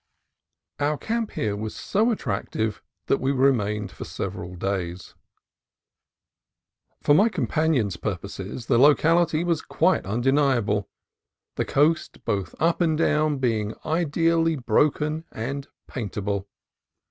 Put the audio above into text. Our camp here was so attractive that we remained for several days. For my companion's purposes the A PAINTER'S COAST 21 locality was quite undeniable, the coast both up and down being ideally broken and paintable.